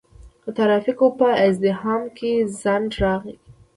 د ترافیکو په ازدحام کې ځنډ راغی.